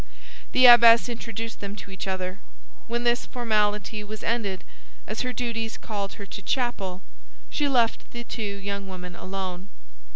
The abbess introduced them to each other. When this formality was ended, as her duties called her to chapel, she left the two young women alone.